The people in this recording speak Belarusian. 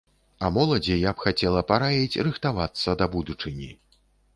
А моладзі я б хацела параіць рыхтавацца да будучыні.